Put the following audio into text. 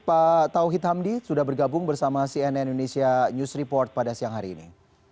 pak tauhid hamdi sudah bergabung bersama cnn indonesia news report pada siang hari ini